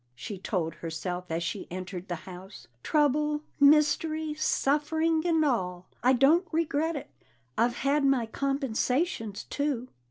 she told herself as she entered the house. "Trouble, mystery, suffering and all I don't regret it! I've had my compensations too."